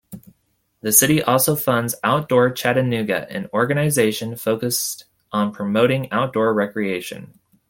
The city also funds Outdoor Chattanooga, an organization focused on promoting outdoor recreation.